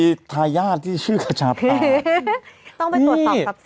นี่ก็มีทายาที่ชื่อขจาพตา